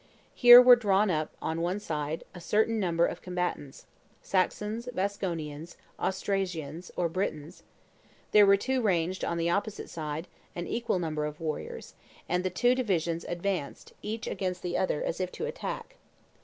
Here were drawn up, on one side, a certain number of combatants, Saxons, Vasconians, Austrasians, or Britons; there were ranged, on the opposite side, an equal number of warriors, and the two divisions advanced, each against the other, as if to attack.